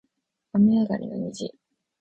雨上がりの虹